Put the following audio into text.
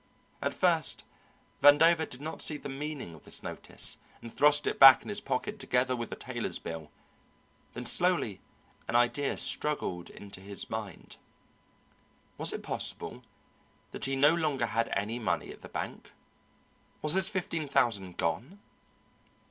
At first Vandover did not see the meaning of this notice, and thrust it back in his pocket together with the tailor's bill; then slowly an idea struggled into his mind. Was it possible that he no longer had any money at the bank? Was his fifteen thousand gone?